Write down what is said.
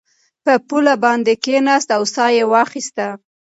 په پوله باندې کېناست او ساه یې واخیسته.